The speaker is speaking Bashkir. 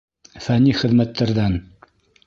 Фәнни хеҙмәттәрҙән